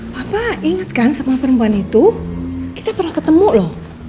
papa inget kan sama perempuan itu kita pernah ketemu lho